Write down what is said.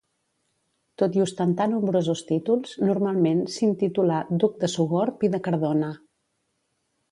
Tot i ostentar nombrosos títols, normalment s'intitulà duc de Sogorb i de Cardona.